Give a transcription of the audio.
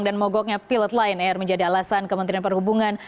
dan mogoknya pilot lion air menjadi alasan kementerian perhubungan